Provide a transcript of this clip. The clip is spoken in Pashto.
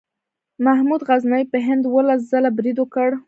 محمود غزنوي په هند اوولس ځله برید وکړ.